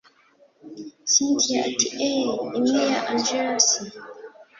cyntia ati eeeeh imwe ya angella se